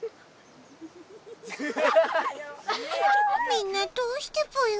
みんなどうしてぽよ？